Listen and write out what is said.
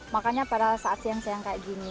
makannya pada saat siang siang kayak gini